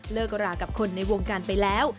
เลิกรากับคนในวงการไปแล้ว